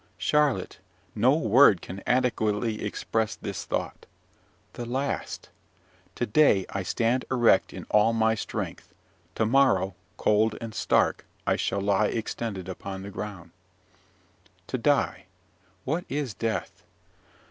Charlotte, no word can adequately express this thought. The last! To day I stand erect in all my strength to morrow, cold and stark, I shall lie extended upon the ground. To die! what is death?